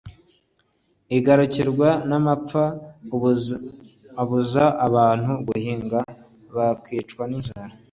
igakurikirwa n’amapfa abuza abantu guhinga bakicwa n’inzara